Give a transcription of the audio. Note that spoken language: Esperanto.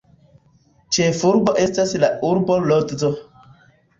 Ĉefurbo estas la urbo Lodzo.